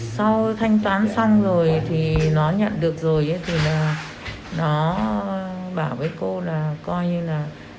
sau thanh toán xong rồi thì nó nhận được rồi thì là nó bảo với cô là coi như là